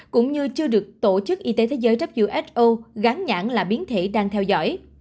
cũng như chưa được tổ chức y tế thế giới who gán nhãn là biến thể đang theo dõi